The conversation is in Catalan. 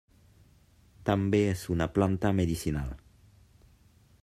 També és una planta medicinal.